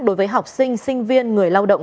đối với học sinh sinh viên người lao động